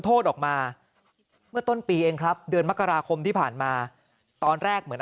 โทษออกมาเมื่อต้นปีเองครับเดือนมกราคมที่ผ่านมาตอนแรกเหมือน